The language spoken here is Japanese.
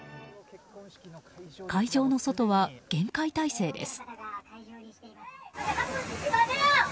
会場の外は厳戒態勢です。